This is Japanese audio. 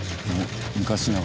昔ながらの。